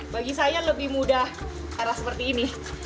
bagi saya lebih mudah arah seperti ini